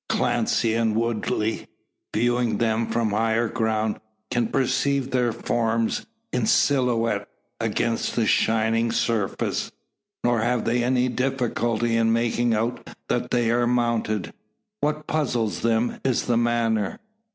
Clancy and Woodley, viewing them from higher ground, can perceive their forms, in silhouette, against the shining surface. Nor have they any difficulty in making out that they are mounted. What puzzles them is the manner.